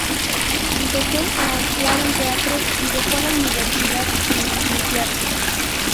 Empezó a actuar en teatros y dejó la universidad sin licenciarse.